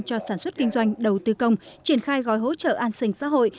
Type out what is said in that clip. cho sản xuất kinh doanh đầu tư công triển khai gói hỗ trợ an sinh xã hội